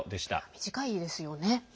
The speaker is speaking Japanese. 短いですよね。